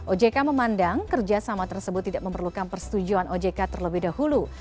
ojk memandang kerjasama tersebut tidak memerlukan persetujuan ojk terlebih dahulu